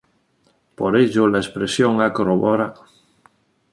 Por ello la expresión ha cobrado muy mala fama y conlleva una significación negativa.